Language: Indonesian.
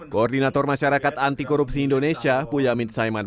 koordinator masyarakat antikorupsi indonesia puyamit saiman